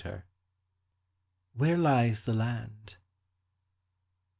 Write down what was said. WHERE LIES THE LAND?